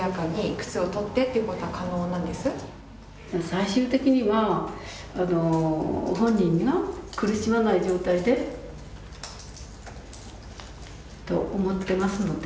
最終的には本人が苦しまない状態でと思っていますので。